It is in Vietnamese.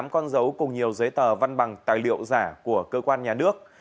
một mươi tám con dấu cùng nhiều giấy tờ văn bằng tài liệu giả của cơ quan nhà nước